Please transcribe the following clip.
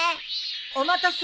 ・お待たせ。